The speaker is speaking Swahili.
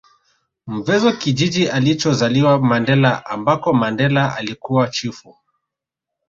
Mvezo kijiji alichozaliwa Mandela ambako Mandela alikuwa chifu